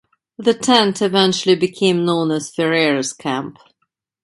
The tent town eventually became known as Ferreira's Camp.